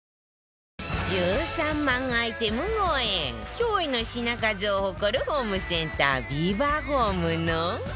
驚異の品数を誇るホームセンタービバホームの